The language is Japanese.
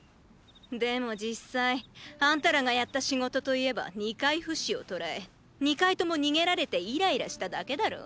でも実際あんたらがやった仕事といえば二回フシを捕らえ二回とも逃げられてイライラしただけだろ？